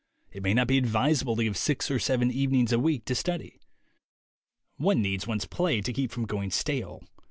It may not be advisable to give six or seven evenings a week to study. One needs one's play to keep from going stale.